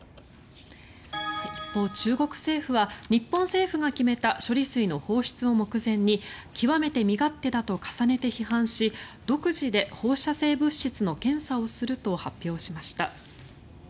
一方、中国政府は日本政府が決めた処理水の放出を目前に極めて身勝手だと重ねて批判し独自で放射性物質の検査をすると発表しました。